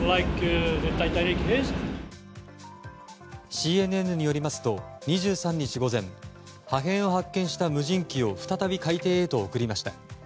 ＣＮＮによりますと２３日午前破片を発見した無人機を再び海底へと送りました。